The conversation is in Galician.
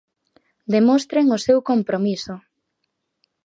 Demostren o seu compromiso.